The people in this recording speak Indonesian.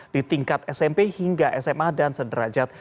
di tingkat smp hingga sma dan sederajat